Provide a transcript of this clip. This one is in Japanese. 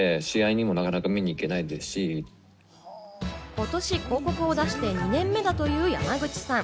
今年、広告を出して２年目だという山口さん。